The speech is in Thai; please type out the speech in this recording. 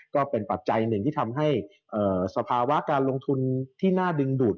ปัจจัยหนึ่งที่ทำให้สภาวะการลงทุนที่น่าดึงดูด